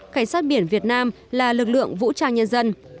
cảnh sát biển việt nam là lực lượng vũ trang nhân dân